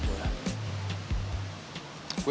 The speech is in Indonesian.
lo gak pernah bikin salah sama gue